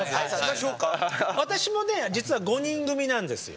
私もね実は５人組なんですよ。